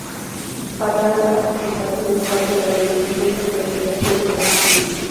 Fatah al-Intifada no es parte de la Organización para la Liberación de Palestina.